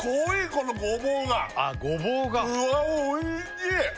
そううわおいしい！